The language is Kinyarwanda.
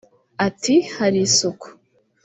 Ati “Hari isuku